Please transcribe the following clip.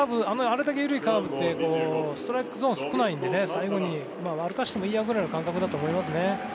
あれだけ緩いカーブというとストライクゾーンが少ないので歩かせてもいいやぐらいの感覚だと思いますね。